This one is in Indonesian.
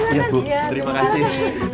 iya bu terima kasih